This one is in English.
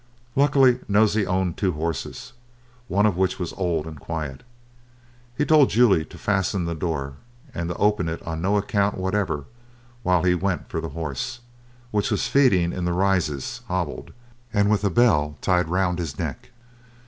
Luckily Nosey owned two horses, one of which was old and quiet. He told Julia to fasten the door, and to open it on no account whatever, while he went for the horse, which was feeding in the Rises hobbled, and with a bell tied round his neck.